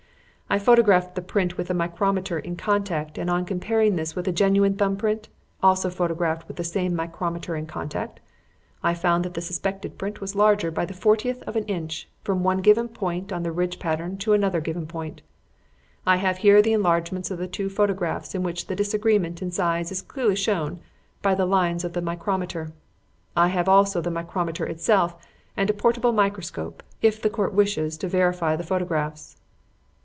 I photographed the print with the micrometer in contact and on comparing this with a genuine thumb print, also photographed with the same micrometer in contact, I found that the suspected print was larger by the fortieth of an inch, from one given point on the ridge pattern to another given point. I have here enlargements of the two photographs in which the disagreement in size is clearly shown by the lines of the micrometer. I have also the micrometer itself and a portable microscope, if the Court wishes to verify the photographs."